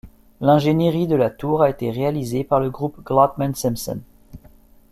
L'ingénièrie de la tour a été réalisée par le groupe Glotman Simpson.